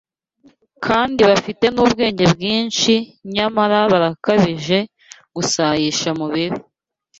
kandi bafite n’ubwenge bwinshi nyamara barakabije gusayisha mu bibi